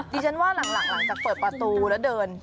ดิฉันว่าหลังจากเปิดประตูแล้วเดิน